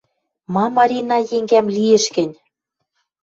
«Ма, Марина енгӓм лиэш гӹнь?..»